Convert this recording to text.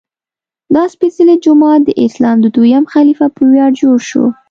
دا سپېڅلی جومات د اسلام د دویم خلیفه په ویاړ جوړ شوی.